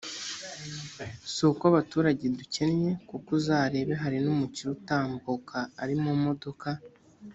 si uko abaturage dukennye kuko uzarebe hari n’umukire utambuka ari mu modoka